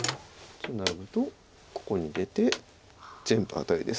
ツナぐとここに出て全部アタリです。